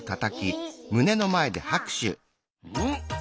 うん！